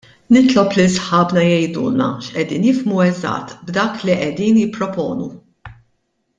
Nitlob lil sħabna jgħidulna x'qegħdin jifhmu eżatt b'dak li qegħdin jipproponu.